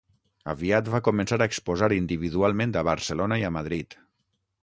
Aviat va començar a exposar individualment a Barcelona i a Madrid.